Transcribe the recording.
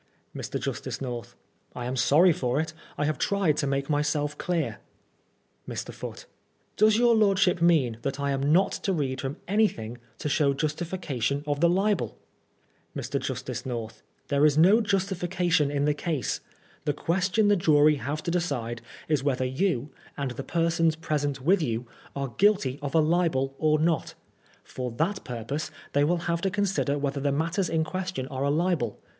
Mr. Justice North : I am sorry for it. I have tried to make myself clear. Mr. Foote : Does your lordship mean that I am not to read from anything to show justification of the libel ? Mr. Justice North : There is no justification in the case. The question the jury have to decide is whether you, and the persons present with you, are guilty of a libel or not For that purpose they will have to consider whether the matters in question are a libel.